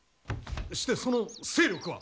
してその勢力は！？